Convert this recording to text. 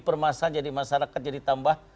permasalahan masyarakat jadi tambah